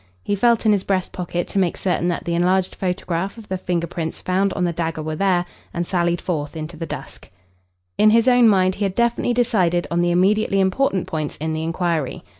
He felt in his breast pocket to make certain that the enlarged photograph of the finger prints found on the dagger were there, and sallied forth into the dusk. In his own mind he had definitely decided on the immediately important points in the inquiry.